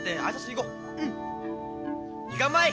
行かんまい！